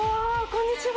こんにちは。